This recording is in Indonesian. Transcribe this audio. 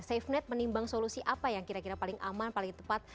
safenet menimbang solusi apa yang kira kira paling aman paling tepat